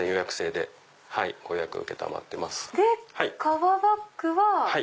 で革バッグは？